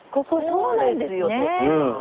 そうですよ徳さん。